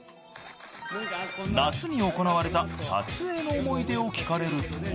［夏に行われた撮影の思い出を聞かれると］